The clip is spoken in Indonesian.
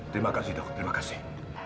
terima kasih dok terima kasih